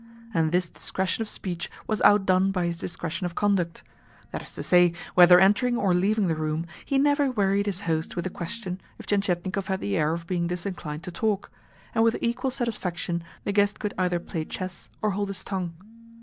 And this discretion of speech was outdone by his discretion of conduct. That is to say, whether entering or leaving the room, he never wearied his host with a question if Tientietnikov had the air of being disinclined to talk; and with equal satisfaction the guest could either play chess or hold his tongue.